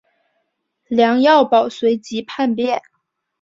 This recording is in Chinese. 梁耀宝随即叛变。